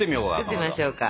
作ってみましょうか。